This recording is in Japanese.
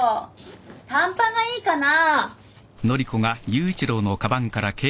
短パンがいいかな。